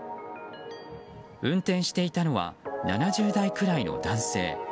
運転していたのは７０代くらいの男性。